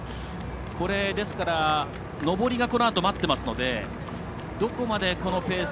ですから、上りが待っていますのでどこまでこのペース。